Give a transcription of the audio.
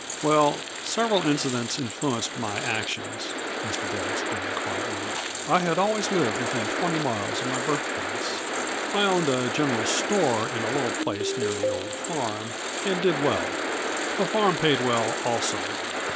"Well, several incidents influenced my actions," Mr. Dill explained quietly. "I had always lived within twenty miles of my birthplace. I owned a general store in a little place near the old farm, and did well. The farm paid well, also.